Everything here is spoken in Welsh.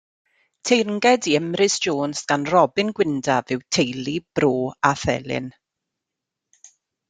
Teyrnged i Emrys Jones gan Robin Gwyndaf yw Teulu, Bro a Thelyn.